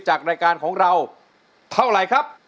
จากรายการของเราเท่าไหร่ครับ